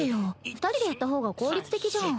二人でやった方が効率的じゃん。